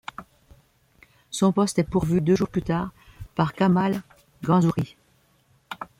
Son poste est pourvu deux jours plus tard par Kamal Ganzouri.